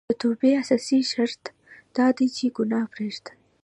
د توبې اساسي شرط دا دی چې ګناه پريږدي